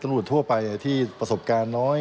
หรือสมมุติทั่วไปที่ประสบการณ์น้อย